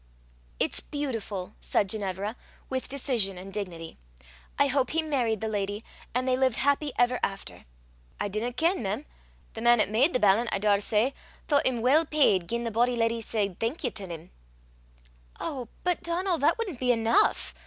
"It's beautiful," said Ginevra, with decision and dignity. "I hope he married the lady, and they lived happy ever after." "I dinna ken, mem. The man 'at made the ballant, I daursay, thoucht him weel payed gien the bonnie leddy said thank ye till him." "Oh! but, Donal, that wouldn't be enough!